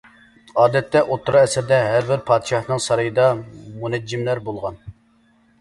ئادەتتە، ئوتتۇرا ئەسىردە ھەربىر پادىشاھنىڭ سارىيىدا مۇنەججىملەر بولغان.